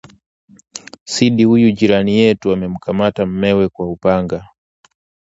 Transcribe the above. Sidi Huyu jirani yetu amemkata mumewe kwa upanga